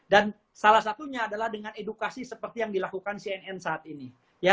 dan salah satunya adalah dengan edukasi seperti yang dilakukan cnn saat ini